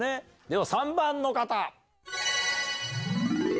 では３番の方。